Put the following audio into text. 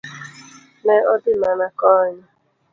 Ne odhi mana konyo.